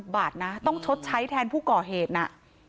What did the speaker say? บาทนะต้องชดใช้แทนผู้ก่อเหตุนะ